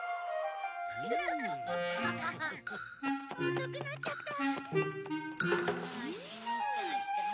遅くなっちゃった！